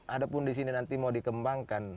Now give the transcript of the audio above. adapun disini nanti mau dikembangkan